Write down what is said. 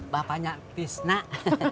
bapaknya bis nak